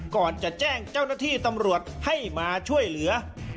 ก่อนจะแจ้งเจ้าหน้าที่ตำรวจให้มาช่วยเหลือ